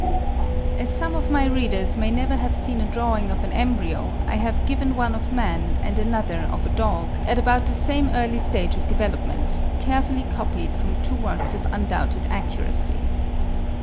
As some of my readers may never have seen a drawing of an embryo, I have given one of man and another of a dog, at about the same early stage of development, carefully copied from two works of undoubted accuracy.